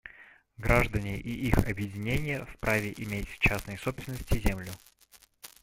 Граждане и их объединения вправе иметь в частной собственности землю.